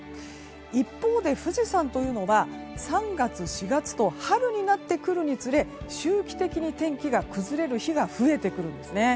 一方で、富士山というのは３月、４月と春になってくるにつれ周期的に天気が崩れる日が増えてくるんですね。